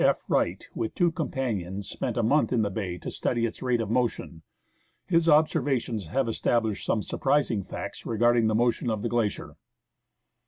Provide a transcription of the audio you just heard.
F. Wright, with two companions, spent a month in the bay to study its rate of motion. His observations have established some sur prising facts regarding the motion of the glacier.